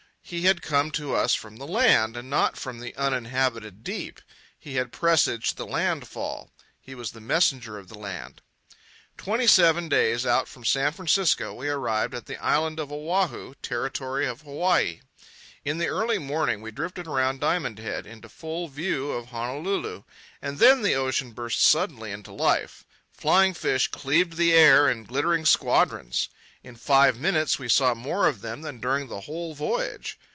He had come to us from the land, and not from the uninhabited deep. He had presaged the landfall. He was the messenger of the land. Twenty seven days out from San Francisco we arrived at the island of Oahu, Territory of Hawaii. In the early morning we drifted around Diamond Head into full view of Honolulu; and then the ocean burst suddenly into life. Flying fish cleaved the air in glittering squadrons. In five minutes we saw more of them than during the whole voyage.